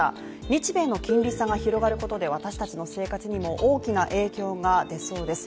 日米の金利差が広がることで私たちの生活にも大きな影響が出そうです。